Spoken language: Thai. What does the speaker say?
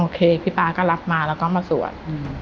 โอเคพี่ป๊าก็รับมาแล้วก็มาสวดอืม